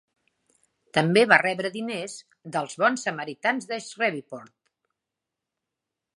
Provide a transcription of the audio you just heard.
També va rebre diners dels Bons Samaritans de Shreveport.